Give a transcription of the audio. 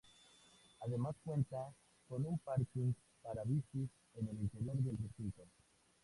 Además cuenta con parking para bicis en el interior del recinto.